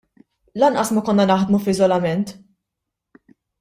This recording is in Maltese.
Lanqas ma konna naħdmu f'iżolament.